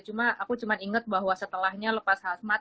cuma aku cuma inget bahwa setelahnya lepas hazmat